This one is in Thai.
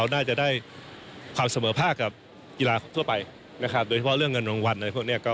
ณมันก็น่าจะได้ความเสมอภาคกับกีฬาทั่วไปนะครับ